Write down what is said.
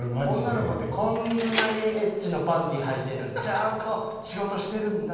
女の子ってこんなにエッチなパンティはいてるのにちゃんと仕事してるんだ！